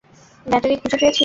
Battery খুঁজে পেয়েছিস?